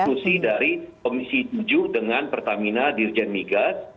sebuah institusi dari komisi tujuh dengan pertamina dirjen migas